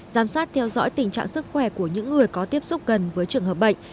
giám sát theo dõi tình trạng sức khỏe của những người có tiếp xúc gần với trường hợp bệnh